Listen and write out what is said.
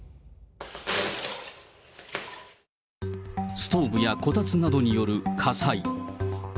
ストーブやこたつなどによる火災。